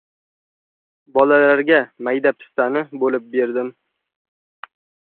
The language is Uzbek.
Bolalarga maydapista bo‘lib berdim.